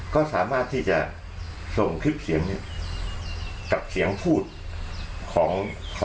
ก็สามารถที่จะส่งคลิปเสียงนี้กับเสียงพูดของ